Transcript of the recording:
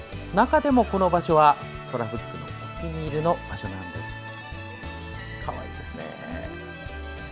中でもこの場所は、トラフズクのお気に入りの場所なんです。